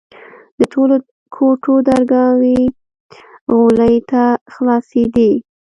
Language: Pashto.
د ټولو کوټو درگاوې غولي ته خلاصېدې.